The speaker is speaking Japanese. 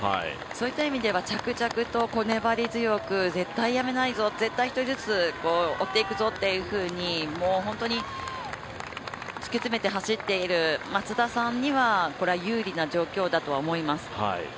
そういった意味では着々と粘り強く絶対やめないぞ絶対、一人ずつ追っていくぞというふうに本当に突き詰めて走っている松田さんにはこれは有利な状況だとは思います。